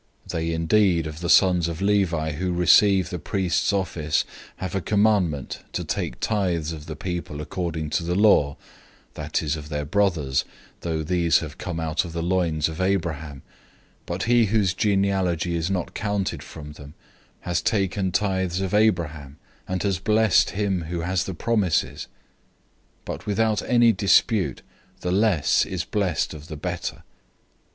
007:005 They indeed of the sons of Levi who receive the priest's office have a commandment to take tithes of the people according to the law, that is, of their brothers, though these have come out of the body of Abraham, 007:006 but he whose genealogy is not counted from them has accepted tithes from Abraham, and has blessed him who has the promises. 007:007 But without any dispute the lesser is blessed by the greater.